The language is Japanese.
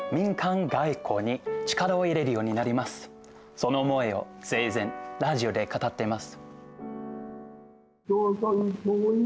その思いを生前、ラジオで語っています。